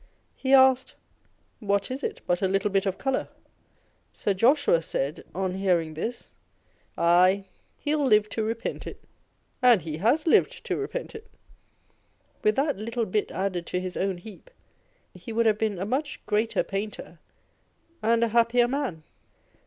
He asked â€" " What is it but a little bit of colour ?" Sir Joshua said, on hearing this â€" " AyQ, he'll live to repent it." And he has lived to repent it. With that little bit added to his own heap, he would have been a much greater painter, and a happier man.